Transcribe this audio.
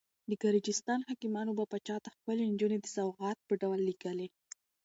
د ګرجستان حاکمانو به پاچا ته ښکلې نجونې د سوغات په ډول لېږلې.